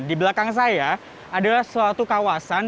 di belakang saya adalah suatu kawasan